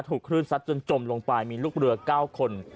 ถูกคลื่นซัดจนจมลงไปมีลูกเรือ๙คน